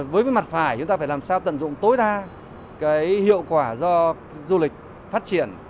với mặt phải chúng ta phải làm sao tận dụng tối đa hiệu quả do du lịch phát triển